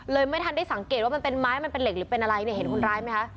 ไม่ทันได้สังเกตว่ามันเป็นไม้มันเป็นเหล็กหรือเป็นอะไรเนี่ยเห็นคนร้ายไหมคะ